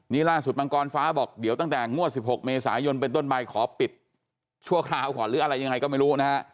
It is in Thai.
นี่ล่าสุดมังกรฟ้าบอกเดี๋ยวตั้งแต่งวด๑๖เมษายนเป็นต้นใบขอปิดชั่วคราวก่อนหรืออะไรยังไงก็ไม่รู้นะฮะ